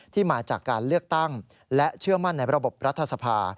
มาจากการเลือกตั้งและเชื่อมั่นในระบบรัฐสภา